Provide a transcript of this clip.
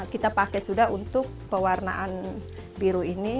kita pakai sudah untuk pewarnaan biru ini